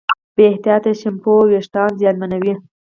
بې احتیاطه شیمپو وېښتيان زیانمنوي.